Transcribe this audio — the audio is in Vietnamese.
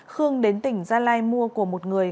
khương đến tỉnh gia lai mua của một người